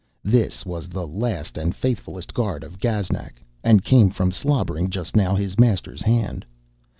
This was the last and faithfullest guard of Gaznak, and came from slobbering just now his master's hand.